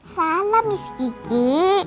salah miss kiki